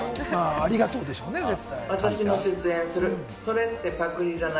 「ありがとう」でしょうね、絶対。